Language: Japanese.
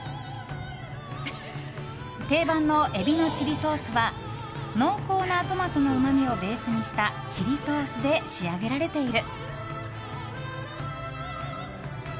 定番のエビのチリソースは濃厚なトマトのうまみをベースにしたチリソースで仕上げられている。